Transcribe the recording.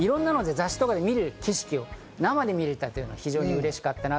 雑誌とかで見る景色を生で見られた、非常にうれしかった。